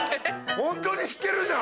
ホントに弾けるじゃん。